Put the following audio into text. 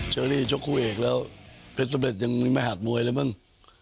เชอรี่ชกคู่เอกแล้วเพชรสำเร็จยังมีมหาดมวยเลยมั้ง